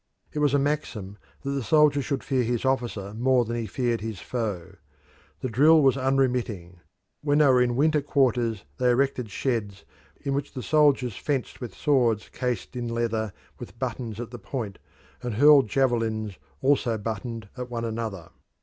It was a maxim that the soldier should fear his officer more than he feared his foe. The drill was unremitting; when they were in winter quarters they erected sheds in which the soldiers fenced with swords cased in leather with buttons at the point and hurled javelins, also buttoned, at one another.